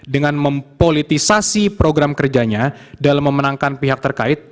dengan mempolitisasi program kerjanya dalam memenangkan pihak terkait